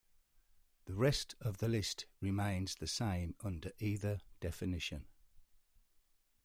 The rest of the list remains the same under either definition.